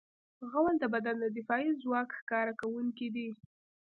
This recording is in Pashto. غول د بدن د دفاعي ځواک ښکاره کوونکی دی.